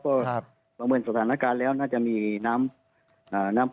เพราะว่าเมื่อสถานการณ์แล้วน่าจะมีน้ำปลา